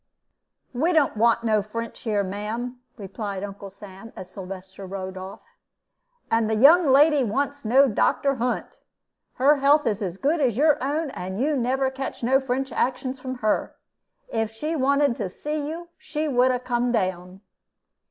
"We don't want no French here, ma'am," replied Uncle Sam, as Sylvester rode off, "and the young lady wants no Doctor Hunt. Her health is as good as your own, and you never catch no French actions from her. If she wanted to see you, she would 'a come down."